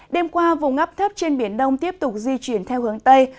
đêm qua vùng ngắp thấp trên biển đông tiếp tục di chuyển theo hướng tây